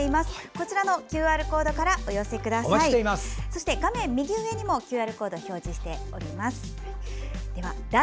こちらのＱＲコードからお寄せください。